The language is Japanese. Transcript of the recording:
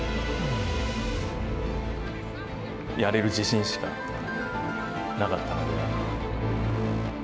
やれる自信しかなかったので。